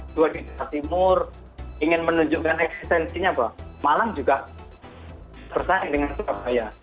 dua di jawa timur ingin menunjukkan eksistensinya bahwa malang juga bersaing dengan surabaya